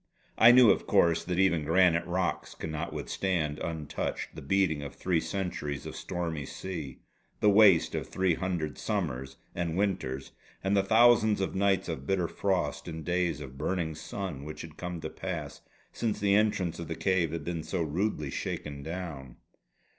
I knew of course that even granite rocks cannot withstand untouched the beating of three centuries of stormy sea, the waste of three hundred summers and winters, and the thousands of nights of bitter frost and days of burning sun which had come to pass since the entrance of the cave had been so rudely shaken down.